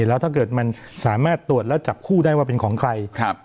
แล้วถ้าเกิดมันสามารถตรวจแล้วจับคู่ได้ว่าเป็นของใคร